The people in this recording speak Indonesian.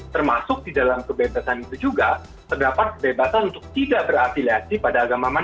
termasuk di dalam kebebasan itu juga terdapat kebebasan untuk tidak berafiliasi pada agama